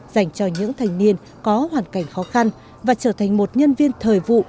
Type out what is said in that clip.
dành cho những thanh niên có hoàn cảnh khó khăn và trở thành một nhân viên thời vụ